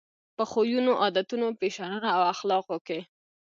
په خویونو، عادتونو، فیشنونو او اخلاقو کې.